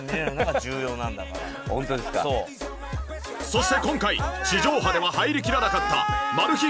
そして今回地上波では入りきらなかったマル秘